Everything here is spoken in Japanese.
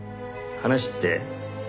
話って？